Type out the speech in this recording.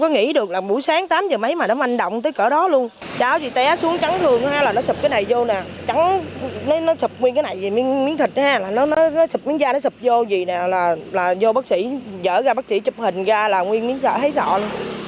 cái này vô nè trắng nó sụp nguyên cái này miếng thịt ha nó sụp miếng da nó sụp vô gì nè là vô bác sĩ dở ra bác sĩ chụp hình ra là nguyên miếng sợ thấy sợ luôn